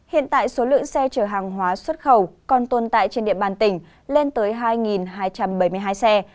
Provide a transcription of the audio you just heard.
hiện tại số lượng xe chở hàng hóa xuất khẩu còn tồn tại trên địa bàn tỉnh lên tới hai hai trăm bảy mươi hai xe